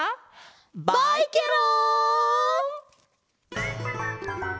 バイケロン！